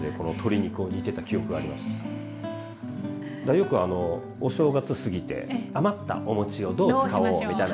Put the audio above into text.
よくお正月過ぎて余ったお餅をどう使おうみたいな。